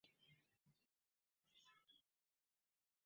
আশা করছি, সবাই সহযোগিতা করবেন এবং আলোচনার মাধ্যমে সংকটের নিরসন হবে।